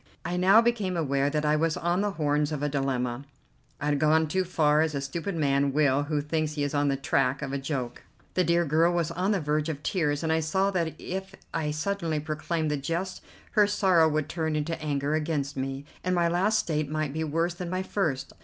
I now became aware that I was on the horns of a dilemma; I had gone too far, as a stupid man will who thinks he is on the track of a joke. The dear girl was on the verge of tears, and I saw that if I suddenly proclaimed the jest her sorrow would turn into anger against me, and my last state might be worse than my first.